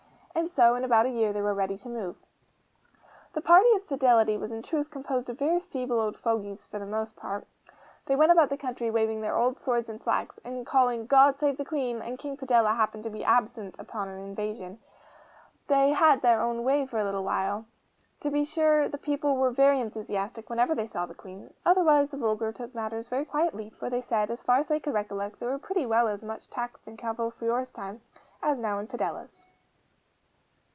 And so in about a year they were ready to move. The party of Fidelity was in truth composed of very feeble old fogies for the most part; they went about the country waving their old swords and flags, and calling 'God save the Queen!' and King Padella happening to be absent upon an invasion, they had their own way for a little, and to be sure the people were very enthusiastic whenever they saw the Queen; otherwise the vulgar took matters very quietly, for they said, as far as they could recollect, they were pretty well as much taxed in Cavolfiore's time, as now in Padella's.